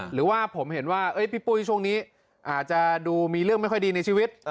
หรือว่าผมเห็นว่าพี่ปุ้ยช่วงนี้อาจจะดูมีเรื่องไม่ค่อยดีในชีวิต